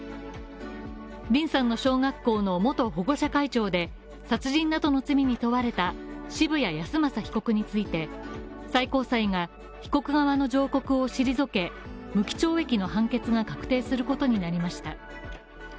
リンさんの小学校の元保護者会長で殺人などの罪に問われた渋谷恭正被告について最高裁が被告側の上告を退け無期懲役の判決が確定することになりました。